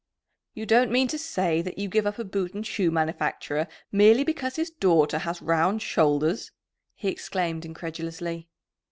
"You don't mean to say that you give up a boot and shoe manufacturer merely because his daughter has round shoulders!" he exclaimed incredulously.